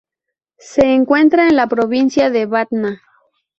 Se encuentra en la provincia de Batna.